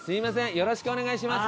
よろしくお願いします。